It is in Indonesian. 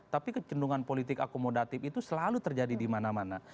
tapi kecenderungan politik akomodatif itu selalu terjadi dimana mana